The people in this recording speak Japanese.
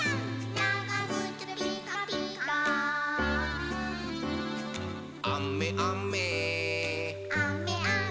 「ながぐつピッカピッカ」「あめあめ」あめあめ。